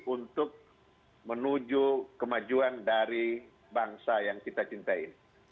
untuk menuju kemajuan dari bangsa yang kita cintai ini